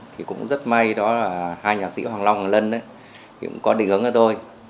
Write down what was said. thì cũng rất may đó là hai nhạc sĩ hoàng long và lân cũng có định hướng cho tôi